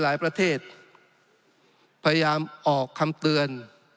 หลายประเทศพยายามออกคำเตือน